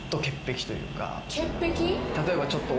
例えばちょっと。